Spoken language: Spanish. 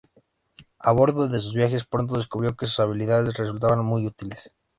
A bordo de sus viajes, pronto descubrió que sus habilidades resultaban muy útiles.